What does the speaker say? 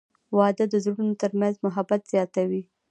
• واده د زړونو ترمنځ محبت زیاتوي.